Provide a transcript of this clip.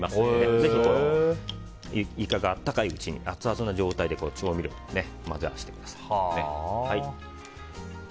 ぜひ、イカがアツアツの状態に調味料を混ぜ合わせてください。